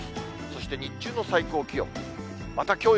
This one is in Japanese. そして日中の最高気温。